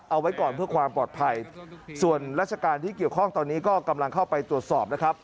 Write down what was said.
เอาไว้ก่อนเพื่อความปลอดภัยส่วนราชการที่เกี่ยวข้องตอนนี้ก็กำลังเข้าไปตรวจสอบนะครับ